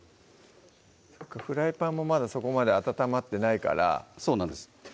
フライパンもまだそこまで温まってないからそうなんです